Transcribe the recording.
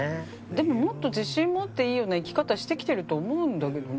でももっと自信持っていいような生き方してきてると思うんだけどな。